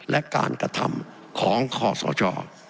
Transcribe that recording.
และการกระทำของคอสช